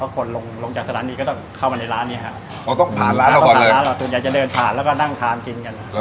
คนลงจากแล้วมาต้องเข้ามาต้องผ่านร้านก่อนเลย